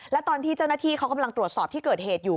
และตอนที่เจ้าหน้าที่เขากำลังตรวจสอบที่เกิดเหตุอยู่